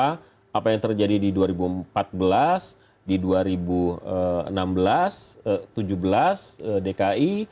jadi apa yang terjadi di dua ribu empat belas dua ribu enam belas dan dua ribu tujuh belas dki